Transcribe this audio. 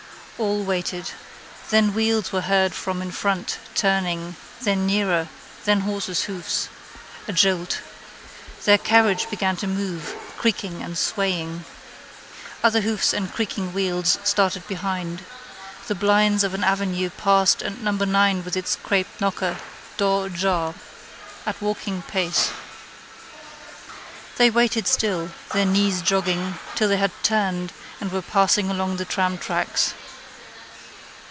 All waited. Then wheels were heard from in front, turning: then nearer: then horses' hoofs. A jolt. Their carriage began to move, creaking and swaying. Other hoofs and creaking wheels started behind. The blinds of the avenue passed and number nine with its craped knocker, door ajar. At walking pace. They waited still, their knees jogging, till they had turned and were passing along the tramtracks.